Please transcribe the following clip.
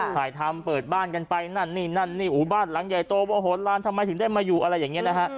ถ่ายทำเปิดบ้านกันไปนั่นนี่นั่นนี่อู๋บ้านหลังใหญ่โตว่าโหลานทำไมถึงได้มาอยู่อะไรอย่างนี้นะฮะ